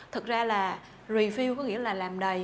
thật ra là review có nghĩa là làm đầy